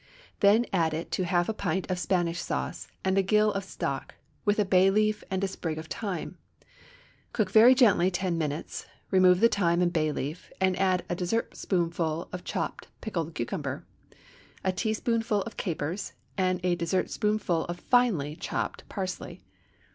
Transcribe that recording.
Then add to it half a pint of Spanish sauce and a gill of stock, with a bay leaf and a sprig of thyme; cook very gently ten minutes, remove the thyme and bay leaf, and add a dessertspoonful of chopped pickled cucumber, a teaspoonful of capers, and a dessertspoonful of finely chopped parsley.